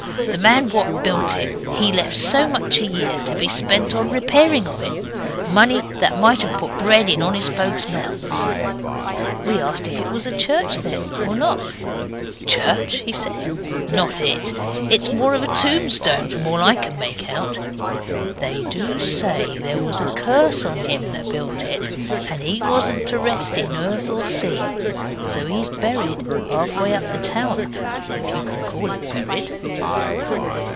The man wot built it he left so much a year to be spent on repairing of it! Money that might have put bread in honest folks' mouths.' We asked was it a church then, or not. 'Church?' he said. 'Not it. It's more of a tombstone, from all I can make out. They do say there was a curse on him that built it, and he wasn't to rest in earth or sea. So he's buried half way up the tower if you can call it buried.